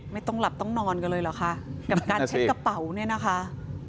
ไม่ต้องหลับต้องนอนกันเลยเหรอคะกับการเช็ดกระเป๋าเนี่ยนะคะ